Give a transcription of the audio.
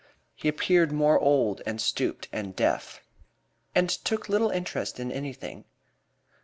He appeared more old and stooped and deaf, and took little interest in anything.